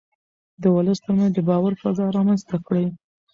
د ولس ترمنځ د باور فضا رامنځته کړئ.